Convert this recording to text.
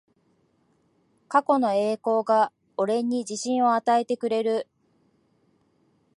過去の栄光が俺に自信を与えてくれる